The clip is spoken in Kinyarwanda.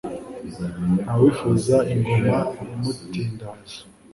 Nta wifuza ingoma imutindahaza.